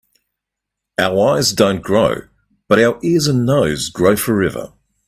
Our eyes don‘t grow, but our ears and nose grow forever.